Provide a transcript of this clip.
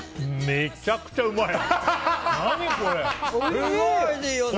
めちゃくちゃうまい。